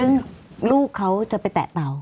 ซึ่งลูกเขาจะไปแตะเตา